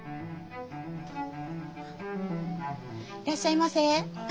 いらっしゃいませ。